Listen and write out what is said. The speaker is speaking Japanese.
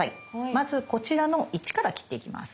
まずこちらの１から切っていきます。